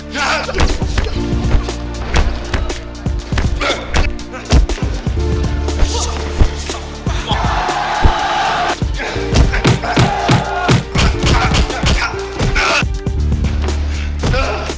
jadi kalo pada saat